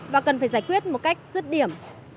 và cần phải giải quyết một cách rứt điểm